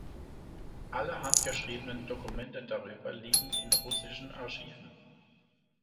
Alle handgeschriebenen Dokumente darüber liegen in russischen Archiven.